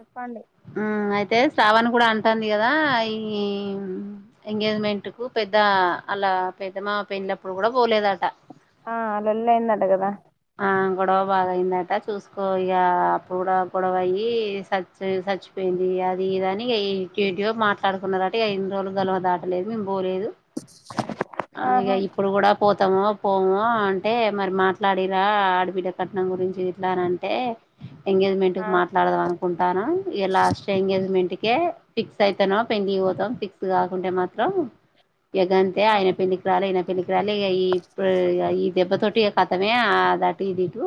చెప్పండి హ్ అయితే శ్రావణ్ కూడా అం టంది గాదా ఈ ఎంగేజ్మెంట్ కు పెద్ద అల్లా పెద్ద మామా పెళ్ళి ఆప్పుడు కూడా పోలేదట ఆ అలోల్లి అయింది అట గదా ఆ గొడవ బాగాయిందట చూసుకో ఇగా అప్పుడు కూడా గొడవ అయి స చచ్చిపోయింది. అది ఇది అని ఇంకేటియో మాట్లాడుకున్నరట అ ఇన్ని రోజులు గలవ దాటలేదు మేము పోలేదు. హా ఆహా ఇగా ఇప్పుడు కూడా పో పోతమో పోమో అంటే మరి మాట్లాడిర్ర ఆడబిడ్డకు కట్నం గురించి ఎట్లా అని అంటే ఎంగేజ్మెంట్ ఆ కు మాట్లాడదం అనుకుం టనం ఇగా లాస్ట్ ఎంగేజ్మెంట్ కే ఫిక్స్ అయితానో పెండ్లికి పోతాం ఫిక్స్ కాకుంటే మాత్రం ఇగ గంతే ఆ ఆయన పెళ్ళికి ఇయన పెళ్ళికి రాలే ఇగ ఇ ప ఈ దెబ్బ తొటి కతమే అది ఆటు ఇది ఇటు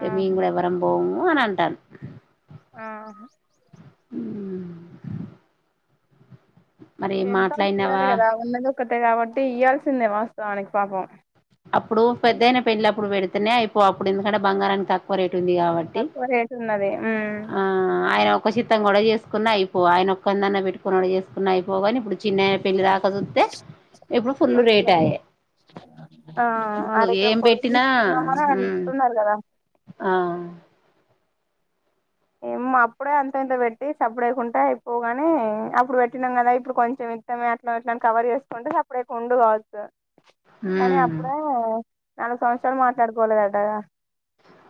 కె మేం ఆహా కూడా ఎవ్వరం భోము అని అంటాడు ఆ హ్ హ్ ఎంత అ చేయాలి గాదా ఉన్నది ఒక కొట్టే కాబట్టి ఇయ్యాల్సిందే వాస్తవానికి పాపం అప్పుడు పెద్దైన పెళ్ళి అప్పుడు పెడితేనే అయిపో అప్పుడు ఎందుకంటే బంగారానికి తక్కువ రేట్ ఉంటుంది కాబట్టి తక్కువ రేటు ఉన్నది ఉమ్ ఆ ఆయన ఒక ఒక్క చిత్తం గుడా చేసుకున్న అయిపో ఆయన ఒక్కందన్న పెట్టుకున్నాడు. కూడా చేసుకున్న అయిపోవు గాని ఇడు చిన్నైన పెళ్లి రాకా ఇట్ల జుత్తే ఇప్పుడు ఫుల్ రేట్ అయే పొలంలో- ఆ ఆర ఏకరాం పొలామ్ తీసుకున్నామని ఉమ్ అంటూన్నారు గాదా ఆ ఏమే అప్పుడే అంత ఇంత పెట్టి సప్పుడేకుంటే అయిపోవు గాని అప్పుడు పెట్టినాం గాదా ఇప్పుడు కొంచెం ఇత్తమే అట్ల ఎట్ల కవర్ చేసుకుంటే సప్పుడే ఉండు కావచ్చు. కానీ ఉమ్ అప్పుడెమో నాలుగు సంవత్సరాలు మాట్లాడుకోలేదుటగా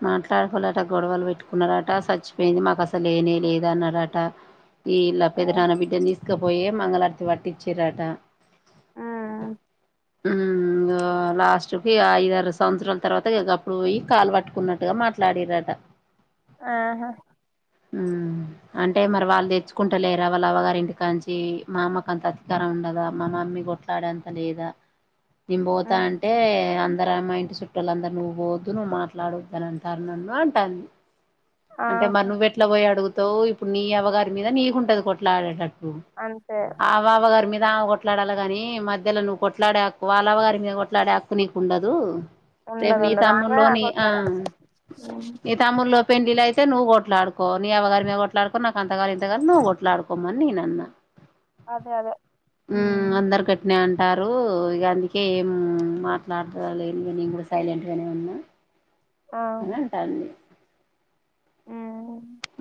మాట్లాడుకోలేదాట గొడవలు పెట్టుకున్నడట చచ్చిపోయింది. మాకు అసలే లేనే లేద అన్నడట ఇ ఇల్లా ఆ పెద్ద నాన్న బిడ్డాను తీస్ ఇసుకపోయే మంగళారతి వట్టిచ్చు ఆట ఆ ఆ ఉమ్ ఇగ లాస్ట్ కి ఐదారు సంవత్సరాల తర్వాత ఇగ గప్పుడు పోయి కాలు పట్టుక్ కున్నట్టుగా మాట్లాడిర్రట. ఆ హా ఉమ్, అంటే మరి వాళ్ళు తెచ్చుకుంటలేరా వాళ్ళవ్వగారి ఇంటికాంచి, మా అమ్మకు అంత అధికారం ఉండదా? మా మమ్మీ కొట్లాడేంత లేదా? నిన్ పోతా ఉమ్ అంటే అన్ అందరా మా ఇంటి సుట్టోలందర్ నువ్వు పోవద్దు నువు మాట్లాడోద్దని అంటారు నన్ను అంటాంది. అంటే మరి ఆహా నువెట్ అడుగుతవు ఇప్పుడు నీ అవ్వగారి మీద నీకు ఉంటది కొట్లాడేటట్ అంతే ఆవ్వవ్వ గారి మిద్ ఆమె కొట్లాడాలె గానీ, మధ్యలో నువ్వు కొట్లాడే హక్కు వాళ్ళవ్వ గారి మీద కొట్లాడే హక్కు నీకు ఉండదూ. రేపు ఉండదు నీ ఉండదు ఆమె తమ్ములో ని ఆ కొట్లాడాలి నీ తమ్ముళ్ళోత్ పెండ్లీలు ఐతే నువు కోట్లాడు. పో ని అవ గారి మీద కొట్లాడుకో నాకు అంత గాలి ఇంత గాలి నువ్వు కొట్లాడుకోమని నేన్ అన్న అదే అదే ఉమ్ అందర్ గట్నే ఆంట్ టారు ఇగ అందుకే ఏం మాట్లాటలేన్ నేన్ గుడా సైలెంట్ గనే ఉన్నా ఆ అని అంటంది ఊ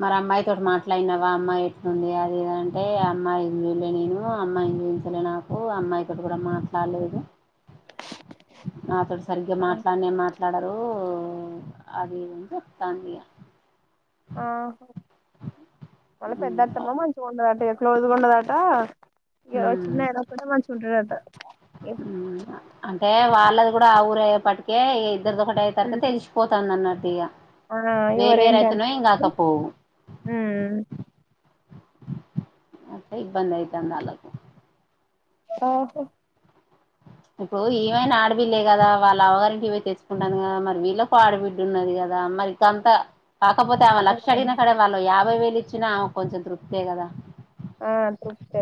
మరి అమ్మాయితోటి మాట్లాయినవా అమ్మాయి ఎట్లుంది అదిదంటే అమ్మాయి చూలే నేను అమ్మాయిని చూపించలే నాకు అమ్మాయితోటి కూడా మాట్లాడలేదు నాతోటి సరిగ్గా ఆ మాట్లాడనే మాట్ ట్లడారు అది ఉంద్ చెప్తాంది ఆ హ వాళ్ళ మ్మ్ పెద్దత్తమ్మ మంచిగుండదాట ఏడ్ క్లోజుఉన్న అట ఆ ఇగ ఓ మ్మ్ చిన్న ఏడకుండా మంచ్ ఉంటడంట ఇప్ ఇలాద్ గుడా ఆ ఊరే ఏ పటుకే ఇద్ ఇద్దరదొకటయ్యే సరికి తెలిసిపోతంది అన్నట్ ఇక ఆ వేర్ ఎవరేంటని వేరయితనేమో ఏం కాకపోవు ఆట్టే ఇబ్బంది అయితంది [unintelligible] ఆహో ఇప్పుడు ఏమైనా ఆడపిల్లే కదా వాళ్ళ [unintelligible] ఇవ తెచ్చుకుంటాంది కదా మరి వీళ్ళకి ఆడబిడ్డ ఉన్నది కదా మరి [unintelligible] కాకపోతే ఆమె లక్ష అడిగిన సరే వాళ్ళు యా యాభై వేలు ఇచ్చినా ఆమె కొంచెం తృప్తే కదా ఆ తృప్తే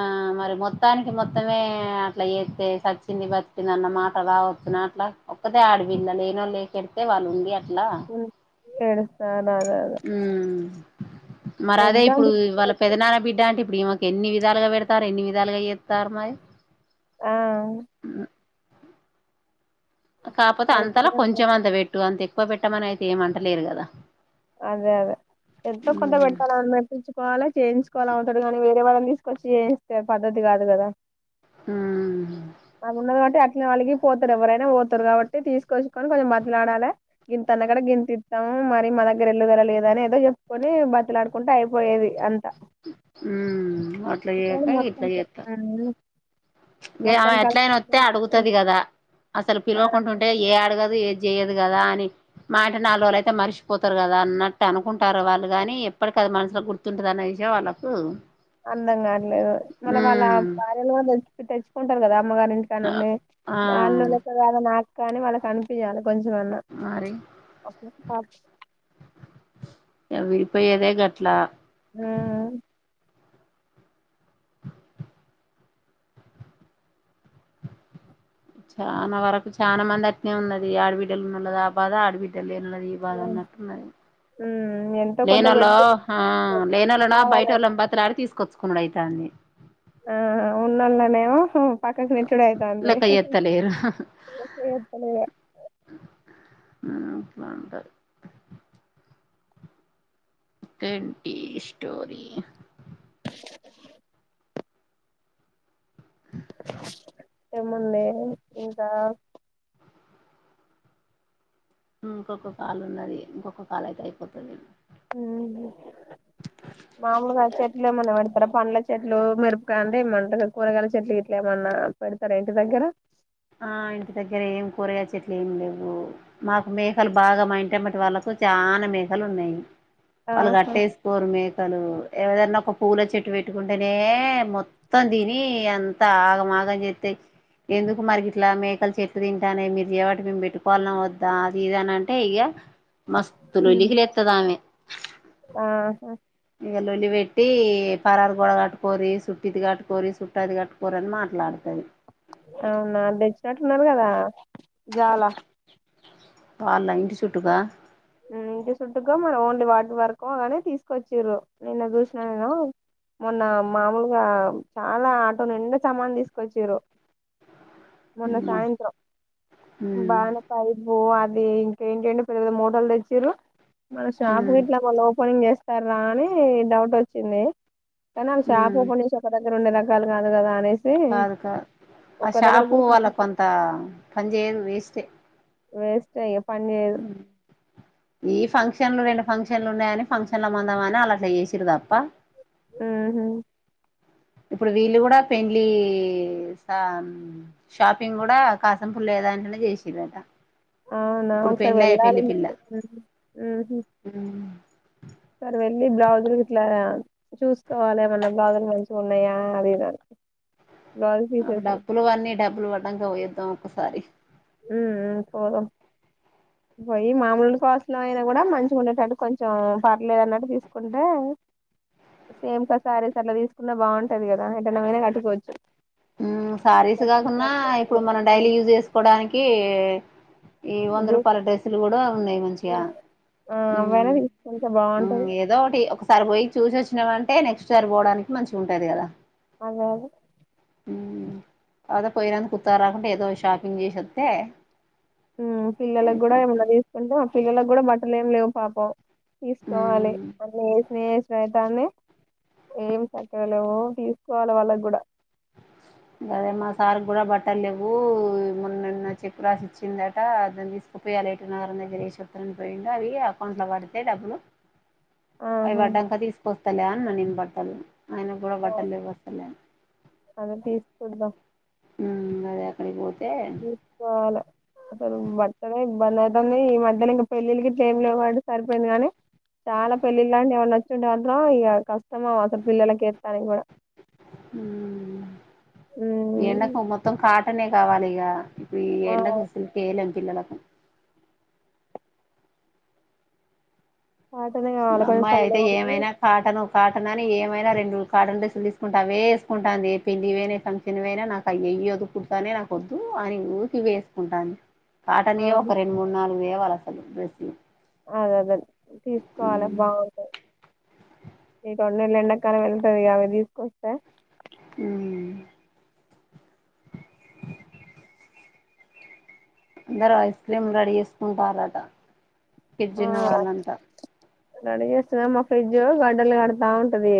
ఆ మరి మొత్తానికి మొత్తమే అట్లా చే సచ్చింది బతికింది అన్న మాట రావచ్చన్నా అట్లా ఒక్కదే ఆడపిల్ల లేనోళ్ళు లేక [unintelligible] వాళ్ళు ఉండి అ లా ఏడు ఉం మరి అదే ఎంత ఇప్పుడు వాళ్ళ పెదనాన్న బిడ్డ అంటే ఇప్పుడు ఈమె కి ఎన్ని విధాలుగా పెడతారు ఎన్ని విధాలుగా చేత్తారు మరి ఆ కాకపోతే అంతలా పెడతనే కొంచెం అంత పెట్టు అంతే కుప్ప పెట్టమనైతే ఏమంటలేరు కదా అదే అదే ఎంతో కొంత పెట్టాల అన్నట్టు సుకోవాలా చేయించుకోవాలి అవుతాడు కానీ వేరే వాళ్ళని తీసుకొచ్చి చేయిస్తే పద్ధతి కాదు కదా అది ఉన్నది [unintelligible] అలిగి పోతారు ఎవరైనా పోతారు కాబట్టి తీసుకొచ్చుకని కొంచం బతిమాడలి గింత అన్న గాడ గింత ఇత్తము మరి మ దగ్గ దగ్గరెల్లుగలలేద [unintelligible] అని ఏదో చెప్పుకొని బతులాడుకుంటే అయిపోయేది అంత హు అట్ల కానీ చేయక మొత్తం ఇట్ల చెత్తాల్ ఇగ ఆమె మొత్తానికి ఎట్లయిన వత్తే అడుగుతది కదా, అసలు ఆ పిలువకుంటుంటే ఏ అడగదు ఏద్ చేయ్యదు. దు కదా అని, మా అంటె నాల్రోజులైతే మర్ష్పోతరు కదా అన్నట్టు అనుకుంటార్రు వాళ్ళు కాని, ఎప్పటికది మనుషులో గుర్తుంటది అనే విషయం వాళ్ళకు అర్థం కాట్లెదు మొన్న వాళ్ళ ఉమ్ భార్యలు కూడ తెచ్ తెచ్ కుంటరు కదా అమ్మగారింటికానుండి, ఆ వాళ్ళు లెక్క కాదు నాక్ కనీ వాళ్ళక్ ఆనిపియ్యాలె. కొంచం అన్న మరి గ విడిపోయేదే గట్లా. హ్మ్ చాన వరకు చాన మంది అట్నే ఉన్నది, ఆడబిడ్డలు ఉనోళ్ళది ఆ బాధ, ఆడబిడ్డలు లేన్ ఒళ్ళది ఈ బాద అన్నట్టున్నది. ఉమ్ లేనోళ్ళో ఉమ్ లేనోళ్లనో కావాలని బయటోల్లన్ బతిలాడి తీసుకొచ్చు కునుడు అయితాంది. ఆ ఉన్నళ్ళనేమో పక్కకి నెట్టుడే అయితాంది. లెక్క చేత్తలేరు ఉమ్ అట్లుంటది. ఇన్టీ స్టోరీ ఏముందీ ఇంకా? ఇంకొక కాలు ఉన్నది, ఇంకొక కాల్ అయితే అయిపోతది. ఉమ్ హు, మామూలుగ చెట్లేమన్న పెడ్త్ తర పండ్ల చెట్లు, మిరపకాయ అంటె మంటగద కూరగాయల చెట్లు గిట్ల, ఏమన్నా పెడతరా ఇంటి దగ్గర? ఆ ఇంటి దగ్గర ఏం కూరగాయ చెట్లు ఏమ్ లేవు. మాకు మేకలు బాగా మా ఇంటెమ్మటి వాళ్ళకు చాన మేఖలున్నయి. వాళ్ళు ఆహా గట్టేసుకోరు మే అసలు ఏవదన్నా ఒక పూల చెట్టు పెట్టుకుంటేనే మొత్తం దిని అంత ఆగమాగం చేస్తాయి ఎందుకు మరికి ఇట్లా మేకలు చెట్లు తింటానే మీరు చెవటి మేము పెట్టుకోవాలన్నాం వద్దా అది ఇద అని అంటే ఇక మస్త్ ఉమ్. లొల్లికీ లేస్తది ఆమె ఆహా ఇక లొల్లి పెెట్టి పరారు గోడ కట్టుకోరి సుట్టిది కట్టుకోరి సుట్టాది కట్టుకోరు అని మాట్లాడుతది అవునా అ తెచ్చినట్లున్నారు కదా జాలా వాళ్ళ ఇంటి చుట్టుకా ఇంటి చుట్టుగా మన ఓన్లీ వాటి వరకు గానే తీసుకొచ్చారు నిన్న చూసినా నేను మొన్న మామూలుగా చాలా ఆటో నిండా సమాన్ తీసుకొచ్చారు మొన్న అమ్మా సాయంత్రం ఉమ్ బానకా ఇు అ అది ఇంక ఏంటంటే పెల్ల మ ల్దచ్చరు మ శాప ఉమ్ విట్లా మ ఓపనింగ్ జస్త సర రా అని డౌట్ వచ్చింది కనం షాప్ ఉమ్ ఓపెన్ చేసి రెండు రకాలు కాదు కదా అనే కాదు కాదు ఆ షాపు వాళ్ళ కూర్చొని కొంత పని చేయదు వేస్ట్ యే వేస్ట్ అయ హమ్ ఈ ఫంక్షన్ ఫంక్షన్ల రెండు ఫంక్షన్లు ఉన్నాయని ఫంక్షన్లు మందాం అని అలా చేసారు తప్ప ఉహు ఇప్పుడు వీళ్ళు కూడా పెళ్లి షాపింగ్ కూడా కాసంపు లేదాంటనే చేసి రంట అవునా ఒకసారి వెళ్ళాలి హమ్ ఒకసారి వెళ్ళి బ్లౌజులు ఇట్లా చూసుకోవాలి ఏమన్నా బ్లౌజులు మంచిగా ఉన్నాయా అది ఇది అని బ్లౌజ్ ఒక పీసెస్ డబ్బులు అన్నీ డబ్బులు పడ్డాక పోయోదాం ఒకసారి ఉమ్ పోదం పోయి మామూలులు కోస్టులో అయినా కూడా మంచిగా ఉండేటట్టు కొంచెం పర్లేదు అన్నట్టు తీసుకుంటే సేమ్కా సారీస్ అట్లా తీసుకుంటె బాగుంటాది కదా ఎటన్నమైనా కట్టుకోవచ్చు హమ్ శారీస్ కాకున్నా ఇప్పుడు మనం డైలీ యూజ్ చేసుకోవడానికి ఏ ఈ వంద రూపాయల డ్రెస్సులు కూడా ఉన్నాయి మంచిగా ఆ అవైనా హ్మ్మ్ తీసుకుంటే హ్మ్మ్ బాగుంటది ఏదో ఒకటి ఒక ఒక్కసారి పోయి చూసి వచ్చినామంటే నెక్ట్ సారి పోవడానికి మంచిగా ఉంటాది కదా అదే అదే అద పోయినంత కుత్తా రాకుండా ఏదో షాపింగ్ చేసి వస్తే పిల్లలకి కూడా ఏమన్నా అయిపోతది తీసుకుంటా పిల్లలకు కూడా బట్టలు ఏం లేవు పాపం తీసుకోవాలి హ్మ్ అన్నీ వేసిన వైతాన్ని ఏం చక్కగాలేవు తీసుకోవాలి వాళ్ళకి కూడా ఇంకాదే మా సార్కి కూడా బట్టలు లేవు మొన్నన్న చెక్కు రాసి ఇచ్చిందట అని తీసుకుపోయాలి ఎటు నగరని దగ్గర ఏ చెప్తారని పోయిండు అవి అకౌంట్ లో పడితే డబ్బులు అవి ఆహా పడ్డాక తీసుకొస్తా తల్యాన్ లెనిన్ బట్టలు ఆయన కూడా బట్టలు లేవంటనే వసలే చూద్దాం ఉ అదే అక్కడికి పో తీసుకోవాలె అసలు బర్తమ [unintelligible] ఇబ్బంది అవుతుంది ఈ మధ్యలో ఇంకా పెళ్ళిళ్ళు ఏం లేవుబట్టి సరిపోయింది కానీ చాలా పెళ్ళిళ్ లాంటి ఎవరు నచ్చింటే వాలో ఇక కష్ట ఇస్తమా అస్సలు పిల్లలకిస్తానికి కూడా హ్మ్ అట్నే కావాలి ఇగ ఈ ఆ ఎండకి అసలకి [unintelligible] పిల్లలకు కాటనే కావాలి కొంచెం అమ్మాయి అయితే చల్లగా ఉంటది ఏమైనా కాటను కాటన్ అని ఏమైనా రెండు కాటన్ డ్రెస్సులు తీసుకుంటే అవే వేసుకుంటాంది ఏ పెళ్లి ఇవనా ఫంక్షన్వి అయినా నాకు అవి ఇవదు కుడుతనే నాకు వద్దు అని ఊకి ఇవ వేసుకుంటాంది ఆ కాటనియె ఒక రెండు మూడు నాలుగు వే అసలు ఆ అదే తీసుకోవాలే మ్మ్ బాగుంటది ఈ రెండు నెలలు ఎండాకాలం వెళ్తది కదా అవి తీసుకొస్తే హుమ్మ్ అందరు ఐస్ క్రీమ్ చేసుకుంటాన్రట ఫ్రిజ్ ఆ ఉన్న వాళ్ళంతా రెడీ చేస్తుండే మా ఫ్రిడ్జ్ గడ్డలు కడతా ఉంటది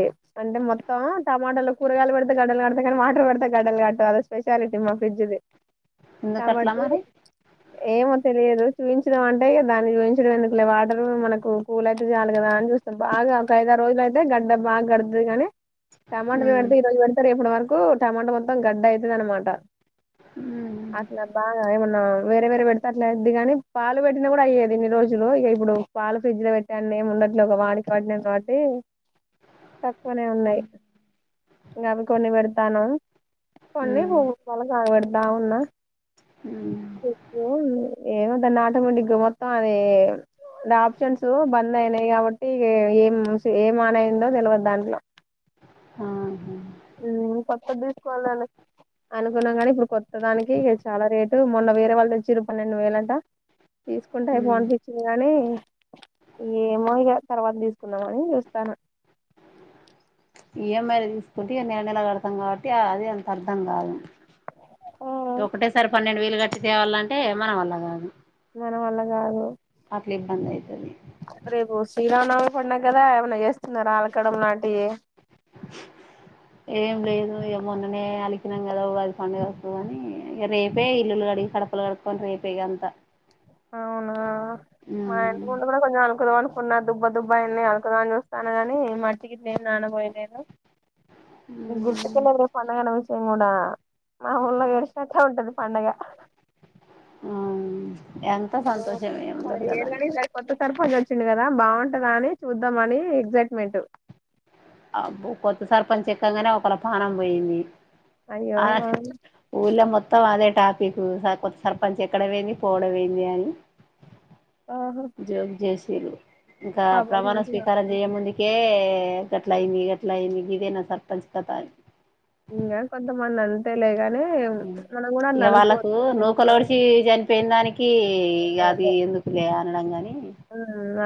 అంటే మొత్తం టమాటలు కూరగాయలు పెడితే గడ్డలు కడతాయి కానీ వాటర్ పెడతే గడ్డలు కట్టదు అదో స్పెషాలిటీ మా ఫ్రిడ్జ్ ది ఎందుకట్ల మరి ఏమో తెలియదు చూయించినం అంటే ఇగ దాన్ని చూసి ఎందుకులే వాటర్ మనకు కూల్ అయితే చాలు కదా అని చూస్తాం బాగా ఒక ఐదారు రోజులు అయితే గడ్డ బాగా గడ్తదిగని టమాటాలు మ్మ్ పెడితే ఈరోజు పెడితే రేపు రాన్ కు టమాట మొత్తం గడ్డ అయితది అన్న మాట మ్మ్ అట్లా బాగా ఏమన్నా వేరే వేరే పెడితే అట్లా అయ్యిద్ది కాని పాలు పెట్టిన కూడా అయ్యేది ఇన్ని రోజుల్ ఇగో ఇక ఇప్పుడు పాలు ఫ్రిడ్జ్ లో పెట్టడానికి ఏం ఉండట్లే కదా అడికాడికి వాడుతున్నాం కాబట్టి తక్కువనే ఉన్నాయి ఇంకా అవి కొన్ని పెడ్త్ తను కొన్ని మ్మ్ పొంగి పోయి కనపడ్తె బావున్నా మ్మ్ చెప్పు ఏమోదాన్ని ఆటోమేటిక్ గా మొత్తం అదే అడ ఆప్షన్స్ బంద్ అయినాయి కాబట్టి ఇక ఏం ఏమైనాఅయిందో తెలియదు దాంట్లో ఆహా హుమ్మ్ పట్ కొత్తది దీసుకోవాలని అనుకున్నాం గానీ ఇప్పుడు కొత్తదానికి చాలా రేటు మొన్న వేరే వాళ్ళు తెచ్చిర్రు పన్నెండు వేలంట తీసుకుంటే అయిపోవ్ మ్మ్ అనిపి కానీ ఏమో ఇగ తర్వాత తీసుకుందామని చూస్తానా ఈఎంఐలు తీసుకుంటే ఇగ నెల నెల కడతాం కాబట్టి ఆ అది అంత అర్దం కాదు ఒకటే సారి పన్నెండు వేలు కట్టి త్యావల్లంటే మన వల్ల కాదు మన వల్ల కాదు అట్లఇబ్బంది అయితది రేపు శ్రీరామనవమి పండగ కదా ఏమైన్నా చేస్తున్నారా అలకడం లాంటియి ఏం లేదు ఇగ మొన్ననే అలికినాం కదా ఉగాది పండుగ వస్తాది అని ఇక రేపే ఇల్లులు కడిగి కడపలు కడుక్కొని రేపే ఇగ అంతా అవునా మా ఉమ్ వెనుక కూడా కొంచెం అలుకుదాం అనీ ఉన్న దుబ్బ దుబ్బ ఉన్నాయి అలకుదాం అని చూస్తా కాని మట్టి గిట్ల ఏం నానబొయలేదు నీకు గుర్తుకున్నది రేపు పండగన్న విషయం ఉనా మా ఊళ్లో ఏడిచినట్టే ఉంటది పండగ ఆ ఎంత సంతోషము ఏమి మరి ఉండదు కదా అని ఏరుగాని ఈసారి కొత్త సర్పంచ్ వచ్చిండు కదా బాగుంటదా అని చూద్దాం అని ఎగ్సైట్మెంట్ అబ్బో కొత్త సర్పంచ్ ఎక్కంగానే ఒక్కళ్ల పాణం పోయింది అయ్యో ఆ ఊళ్ళో మొత్తం అదే టాపీకు సర్ కొత్త సర్పంచ్ ఎక్కడం ఏంది పోవడం ఏంది అని ఆహా జోగ్ జేసి తిరు ఇంకా ప్రమాణ స్వీకారం బాబోగినట్లా చేయ ముందుకే గట్లయింది గట్లయింది గిదే నా సర్పంచ్ కథ అని ఇంగా కొంతమంది అంతేలేగాని మనం కూడా అట్లా ఇగ వాళ్ళకు అనుకోవద్దు ఆ నూకలోడిసి చనిపోయిన దానికి ఇగ అది ఎందుకులే అనడం గాని ఆ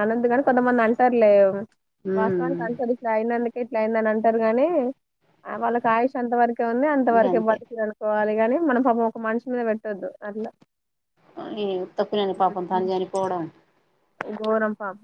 అనందుగాని కొంతమంది అంటారులే ఉమ్ వాస్తవానికి అంటది ఇట్ల అయినందుకు ఎట్ల అయిందని అంటారు గానీ వాళ్ళకి ఆయుష్ అంత వరకే ఉంది అంత వరకే గంతే బతికిళ్ళు అనుకోవాలి గాని మనం పాపం ఒక మనిషి మీద పెట్టొద్దు అట్లా ఏ తప్పులేదు పాపం తాను చనిపోవడం గోరం పాపం